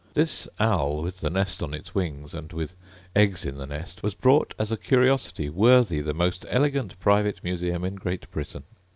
This owl, with the nest on its wings, and with eggs in the nest, was brought as a curiosity worthy the most elegant private museum in Great Britain.